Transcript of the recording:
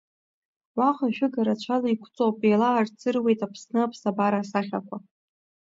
Уаҟа шәыга рацәала иқәҵоуп, еилаарцыруеит Аԥсны аԥсабара асахьақәа.